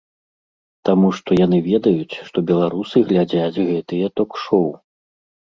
Таму што яны ведаюць, што беларусы глядзяць гэтыя ток-шоў.